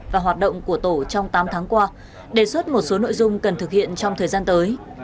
và hoạt động của tổ trong tám tháng qua đề xuất một số nội dung cần thực hiện trong thời gian tới